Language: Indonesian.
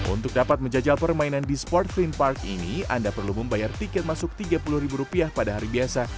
untuk dapat menjajal permainan di sport screen park ini anda perlu membayar tiket masuk rp tiga puluh ribu rupiah pada hari biasa